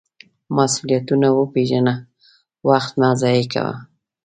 مسؤلیتونه وپیژنه، وخت مه ضایغه کوه.